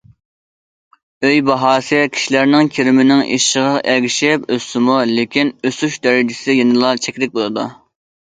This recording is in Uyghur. ئۆي باھاسى كىشىلەرنىڭ كىرىمىنىڭ ئېشىشىغا ئەگىشىپ ئۆسسىمۇ، لېكىن ئۆسۈش دەرىجىسى يەنىلا چەكلىك بولىدۇ.